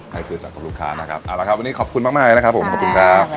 ต้องสื่อสัตว์ลูกค้าเราทำอะไรเราก็ต้องทำให้ดี